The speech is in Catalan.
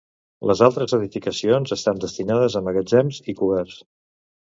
Les altres edificacions estan destinades a magatzems i coberts.